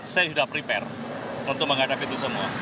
saya sudah prepare untuk menghadapi itu semua